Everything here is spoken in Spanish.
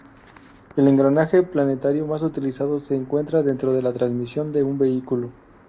El engranaje planetario más utilizado se encuentra dentro de la transmisión de un vehículo.